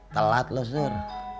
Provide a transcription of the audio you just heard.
telat lu sur